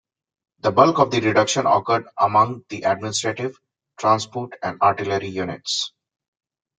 The bulk of the reduction occurred among the administrative, transport and artillery units.